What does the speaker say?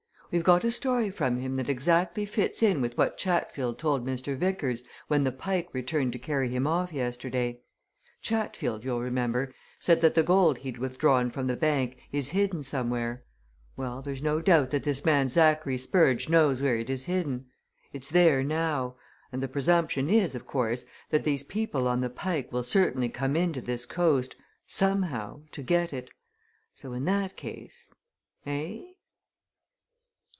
"We've got a story from him that exactly fits in with what Chatfield told Mr. Vickers when the Pike returned to carry him off yesterday. Chatfield, you'll remember, said that the gold he'd withdrawn from the bank is hidden somewhere well, there's no doubt that this man Zachary Spurge knows where it is hidden. It's there now and the presumption is, of course, that these people on the Pike will certainly come in to this coast somehow! to get it. So in that case eh?"